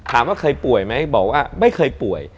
ถามว่าเคยป่วยไหมบอกว่าไม่เคยป่วย